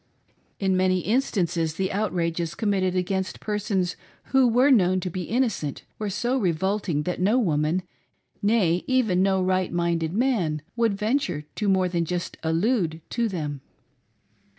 In many instances the outrages committed against persons who were known to be innocent were so revolting that no woman — nay, even no right minded man — would venture, to more than just allude to them.